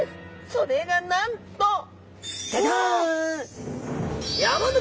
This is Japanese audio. それがなんとジャジャン！